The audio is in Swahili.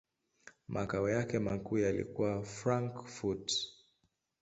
Makao yake makuu yalikuwa Frankfurt.